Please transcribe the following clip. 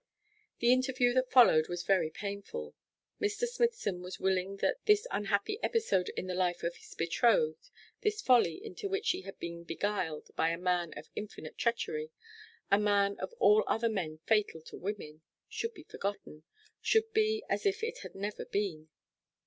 The interview that followed was very painful. Mr. Smithson was willing that this unhappy episode in the life of his betrothed, this folly into which she had been beguiled by a man of infinite treachery, a man of all other men fatal to women, should be forgotten, should be as if it had never been.